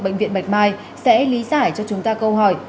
bệnh viện bạch mai sẽ lý giải cho chúng ta câu hỏi